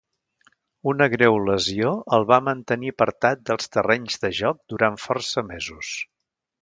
Una greu lesió el va mantenir apartat dels terrenys de joc durant força mesos.